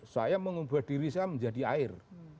saya mengubah diri saya menjadi air